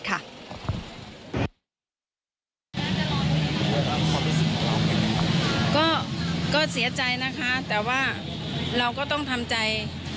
ก็เสียใจนะคะแต่ว่าเราก็ต้องทำใจ